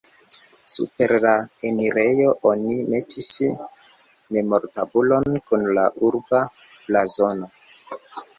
Super la enirejo oni metis memortabulon kun la urba blazono.